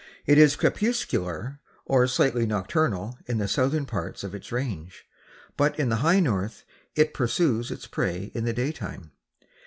It is crepuscular or slightly nocturnal in the southern parts of its range, but in the high north it pursues its prey in the daytime.